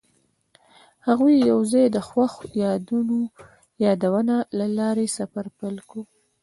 هغوی یوځای د خوښ یادونه له لارې سفر پیل کړ.